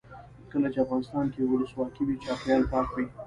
کله چې افغانستان کې ولسواکي وي چاپیریال پاک وي.